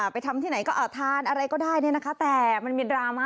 ไปทำที่ไหนก็ทานอะไรก็ได้เนี่ยนะคะแต่มันมีดราม่า